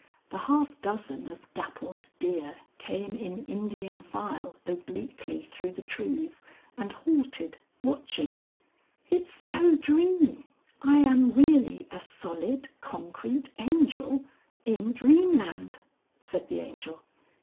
The half dozen of dappled deer came in Indian file obliquely through the trees and halted, watching. "It's no dream I am really a solid concrete Angel, in Dream Land," said the Angel.